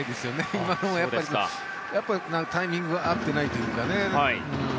今のもタイミングが合ってないというか。